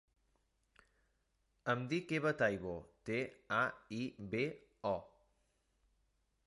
Em dic Eva Taibo: te, a, i, be, o.